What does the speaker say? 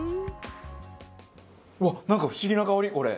うわっなんか不思議な香りこれ。